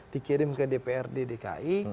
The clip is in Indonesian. dikirim ke dprd dki